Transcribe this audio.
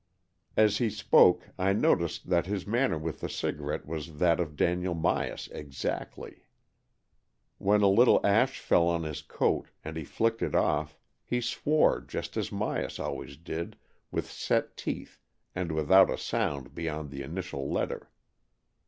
As he spoke, I noticed that his manner with the cigarette was that of Daniel Myas exactly. When a little ash fell on his coat, and he flicked it off, he swore just as Myas always did, with set teeth and without a sound beyond the initial letter.